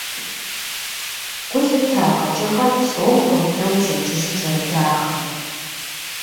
Гу лъытэ а къэкӀыгъэр, псом хуэмыдэу пщэдджыжьым, зэрыдахэм.